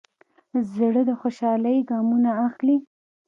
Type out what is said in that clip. زړه د خوشحالۍ ګامونه اخلي.